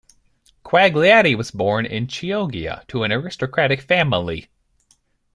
Quagliati was born in Chioggia to an aristocratic family.